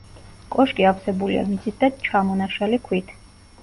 კოშკი ავსებულია მიწით და ჩამონაშალი ქვით.